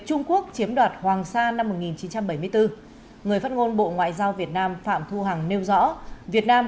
trung quốc chiếm đoạt hoàng sa năm một nghìn chín trăm bảy mươi bốn người phát ngôn bộ ngoại giao việt nam phạm thu hằng nêu rõ việt nam